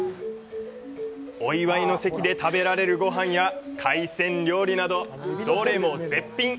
お祝いの席で食べられるごはんや海鮮料理など、どれも絶品。